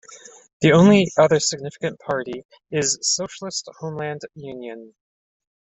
The only other significant party is socialist Homeland Union.